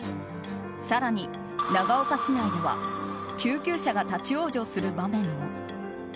更に長岡市内では救急車が立ち往生する場面も。